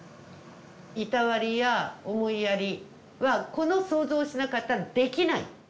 いたわりや思いやりはこの想像しなかったらできない。